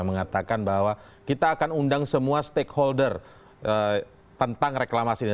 mengatakan bahwa kita akan undang semua stakeholder tentang reklamasi ini